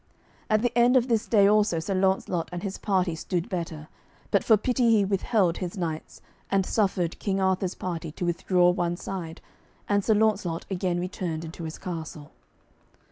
At the end of this day also Sir Launcelot and his party stood better, but for pity he withheld his knights, and suffered King Arthur's party to withdraw one side, and Sir Launcelot again returned into his castle.